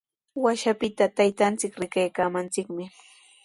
Washapita taytanchik rikaraaykaamanchikmi.